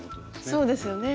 そうですよね？